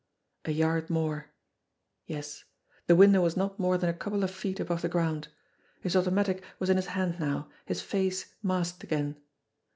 A yard more! Yes, the window was not more than a couple of feet above the ground. His automatic was in his hand now, his face masked again.